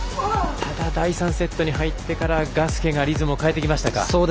ただ第３セットに入ってからガスケがリズムを変えてきましたか。